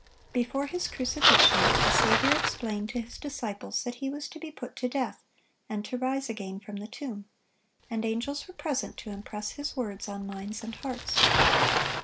Before His crucifixion, the Saviour explained to His disciples that He was to be put to death, and to rise again from the tomb; and angels were present to impress His words on minds and hearts.